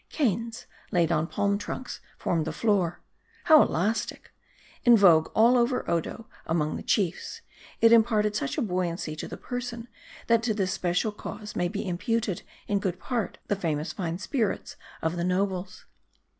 Canes, laid on palm trunks, formed the floor. How elastic ! In vogue all over Odo, among the chiefs, it imparted such a buoyancy to the person, that to this special cause may be imputed in good part the famous fine spirits of the nobles.